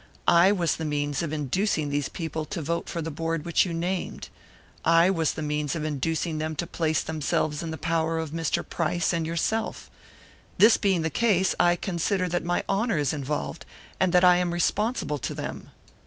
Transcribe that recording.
I was the means of inducing these people to vote for the board which you named. I was the means of inducing them to place themselves in the power of Mr. Price and yourself. This being the case, I consider that my honour is involved, and that I am responsible to them."